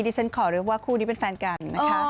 ที่ฉันขอเรียกว่าคู่นี้เป็นแฟนกันนะคะ